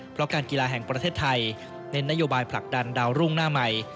เพราะการกีฬาแห่งประเทศไทยเน้นนโยบายผลักดันดาวรุ่งหน้าใหม่